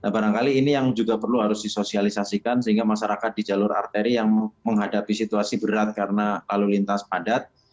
barangkali ini yang juga perlu harus disosialisasikan sehingga masyarakat di jalur arteri yang menghadapi situasi berat karena lalu lintas padat